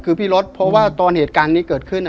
คือพี่รถเพราะว่าตอนเหตุการณ์นี้เกิดขึ้น